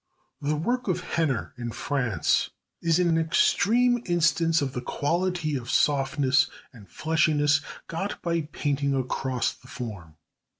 The work of Henner in France is an extreme instance of the quality of softness and fleshiness got by painting across the form.